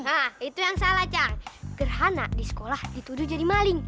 hah itu yang salah cang gerhana di sekolah dituduh jadi maling